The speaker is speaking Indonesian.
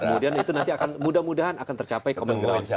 kemudian itu nanti akan mudah mudahan akan tercapai common gorong